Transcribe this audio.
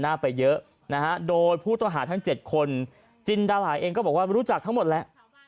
หน้าไปเยอะนะฮะโดยผู้ต้องหาทั้ง๗คนจินดาหลายเองก็บอกว่ารู้จักทั้งหมดแหละ